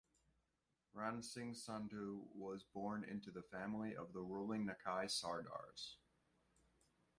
Ran Singh Sandhu was born into the family of the ruling Nakai Sardars.